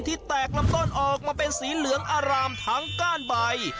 แตกลำต้นออกมาเป็นสีเหลืองอารามทั้งก้านใบ